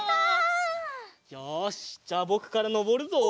よしじゃあぼくからのぼるぞ。